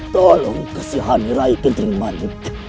tolong kesihani rai kuntun manik